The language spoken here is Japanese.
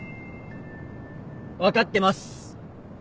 分かってます。